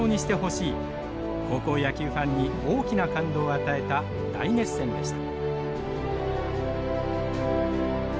高校野球ファンに大きな感動を与えた大熱戦でした。